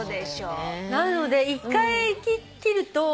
なので１回切ると。